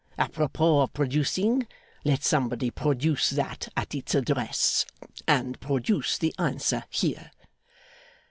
Apropos of producing, let somebody produce that at its address, and produce the answer here.